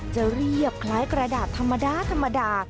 จะเรียบคล้ายกระดาษธรรมดา